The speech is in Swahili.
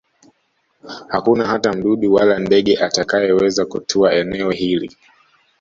Hakuna hata mdudu wala ndege atakayeweza kutua eneo hilo